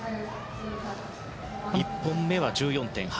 １本目は１４．８００。